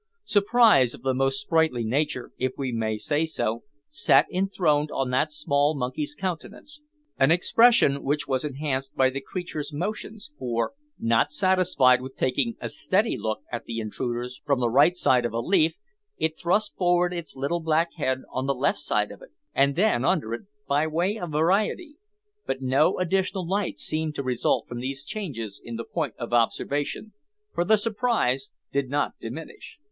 Surprise of the most sprightly nature, if we may say so, sat enthroned on that small monkey's countenance, an expression which was enhanced by the creature's motions, for, not satisfied with taking a steady look at the intruders from the right side of a leaf, it thrust forward its little black head on the left side of it, and then under it, by way of variety; but no additional light seemed to result from these changes in the point of observation, for the surprise did not diminish.